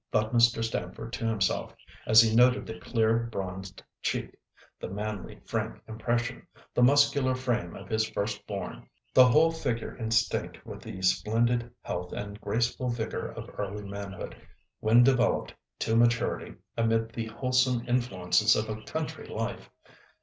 thought Mr. Stamford to himself, as he noted the clear bronzed cheek, the manly, frank impression, the muscular frame of his first born, the whole figure instinct with the splendid health and graceful vigour of early manhood when developed to maturity amid the wholesome influences of a country life.